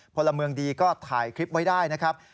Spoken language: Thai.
พลเมืองดีก็ถ่ายคลิปไว้ได้นะครับ